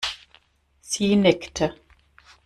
Sie nickte.